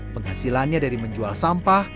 penghasilannya dari menjual sampah